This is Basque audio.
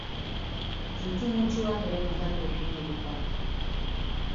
Txutxu-mutxuak ere kontatu ditu medikuak.